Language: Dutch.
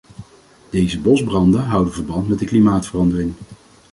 Deze bosbranden houden verband met de klimaatverandering.